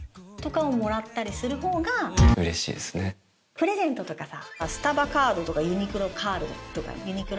プレゼントとかさ。